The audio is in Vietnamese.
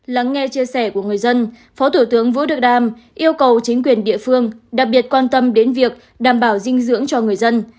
lắng nghe chia sẻ của người dân phó thủ tướng vũ đức đam yêu cầu chính quyền địa phương đặc biệt quan tâm đến việc đảm bảo dinh dưỡng cho người dân